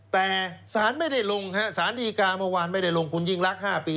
แต่สารดีการ์เมื่อวานไม่ได้ลงคุณยิ่งรัก๕ปี